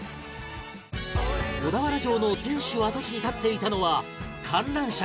小田原城の天守跡地に建っていたのは観覧車か？